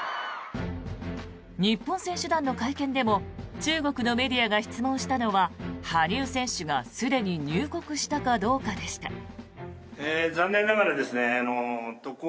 日本選手団の会見でも中国のメディアが質問したのは羽生選手がすでに入国したかどうかでした。